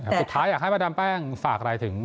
สุดท้ายอยากให้มาดามแป้งฝากอะไรถึง